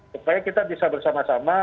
supaya kita bisa bersama sama